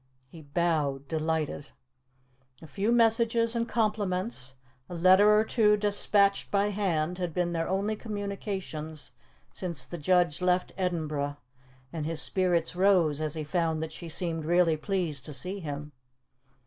He bowed, delighted. A few messages and compliments, a letter or two despatched by hand, had been their only communications since the judge left Edinburgh, and his spirits rose as he found that she seemed really pleased to see him.